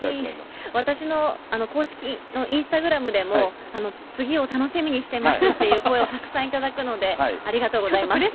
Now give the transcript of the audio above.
最近、私の公式インスタグラムでも、次を楽しみにしてますという声をたくさん頂くので、ありがとうございます。